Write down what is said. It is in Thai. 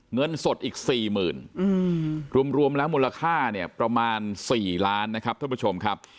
เงินสดอีก๔๐๐๐รวมแล้วมูลค่าเนี่ยประมาณ๔ล้านนะครับท่านผู้ชมครับ